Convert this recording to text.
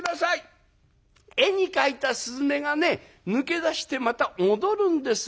絵に描いた雀がね抜け出してまた戻るんです」。